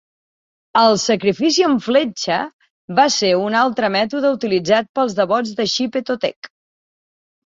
El "Sacrifici amb fletxa" va ser un altre mètode utilitzat pels devots de Xipe Totec.